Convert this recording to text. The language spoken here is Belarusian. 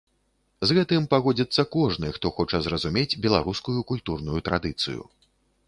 З гэтым пагодзіцца кожны, хто хоча зразумець беларускую культурную традыцыю.